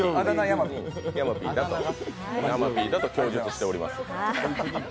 山Ｐだと供述しております。